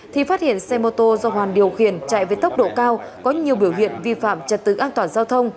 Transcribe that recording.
thì phát hiện xe mô tô do hoàn điều khiển chạy với tốc độ cao có nhiều biểu hiện vi phạm trật tự an toàn giao thông